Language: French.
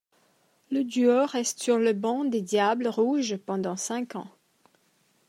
Le duo reste sur le banc des Diables rouges pendant cinq ans.